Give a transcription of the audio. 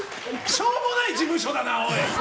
しょうもない事務所だな、おい！